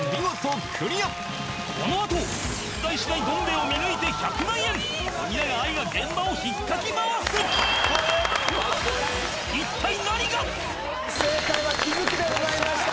このあと実在しないどん兵衛を見抜いて１００万円冨永愛が現場を引っかき回す正解は「気づく」でございました